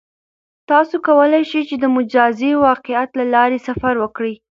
تاسو کولای شئ چې د مجازی واقعیت له لارې سفر وکړئ.